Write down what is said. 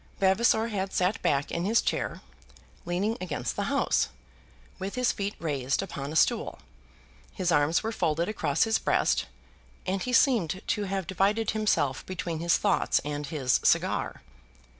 Vavasor had sat back in his chair, leaning against the house, with his feet raised upon a stool; his arms were folded across his breast, and he seemed to have divided himself between his thoughts and his cigar.